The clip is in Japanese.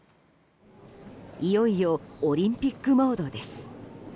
いよいよオリンピックムードです。